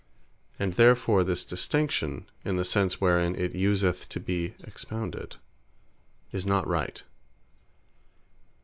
And therefore this distinction, in the sense wherein it useth to be expounded, is not right.